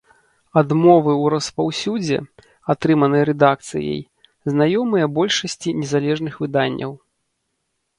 Адмовы ў распаўсюдзе, атрыманыя рэдакцыяй, знаёмыя большасці незалежных выданняў.